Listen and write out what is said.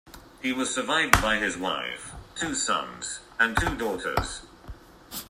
He was survived by his wife, two sons, and two daughters.